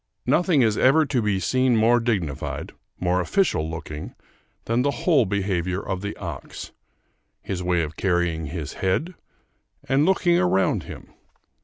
Nothing is ever to be seen more dignified, more official looking, than the whole behavior of the ox; his way of carrying his head, and looking around him.